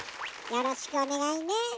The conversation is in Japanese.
よろしくおねがいね。